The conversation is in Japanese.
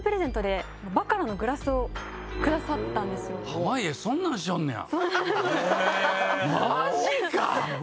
濱家そんなんしよんねや。